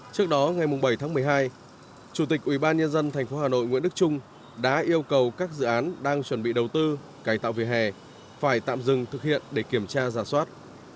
trước đó ngày bảy tháng một mươi hai chủ tịch ubnd tp hà nội nguyễn đức trung đã yêu cầu các dự án đang chuẩn bị đầu tư cải tạo về hè phải tạm dừng thực hiện để kiểm tra giả soát